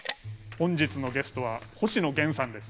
本日のゲストは星野源さんです。